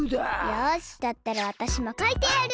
よしだったらわたしもかいてやる。